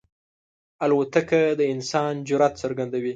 الوتکه د انسان جرئت څرګندوي.